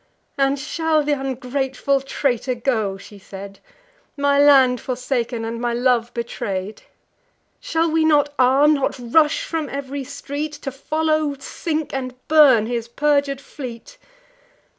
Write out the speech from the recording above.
"And shall th' ungrateful traitor go," she said, "My land forsaken, and my love betray'd? Shall we not arm? not rush from ev'ry street, To follow, sink, and burn his perjur'd fleet?